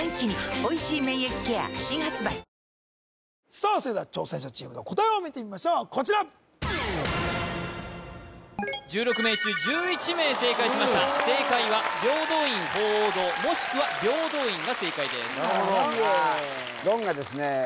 さあそれでは挑戦者チームの答えを見てみましょうこちら１６人中１１名正解しました正解は平等院鳳凰堂もしくは平等院が正解です言がですね